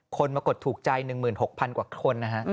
คนมากดถูกใจ๑๖๐๐๐กว่าคน